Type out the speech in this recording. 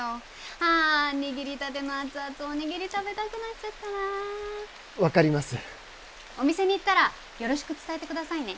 ああ握りたての熱々おにぎり食べたくなっちゃったな分かりますお店に行ったらよろしく伝えてくださいね